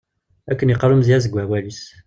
Akken yeqqar umedyaz deg wawal-is.